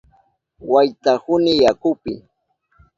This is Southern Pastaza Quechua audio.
Waytahuni yakupi.